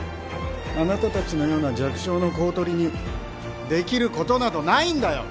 あなたたちのような弱小の公取にできることなどないんだよ！